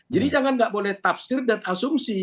jadi jangan nggak boleh tafsir dan asumsi